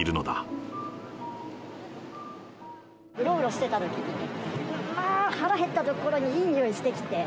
うろうろしてたときに、腹が減ったところにいい匂いしてきて。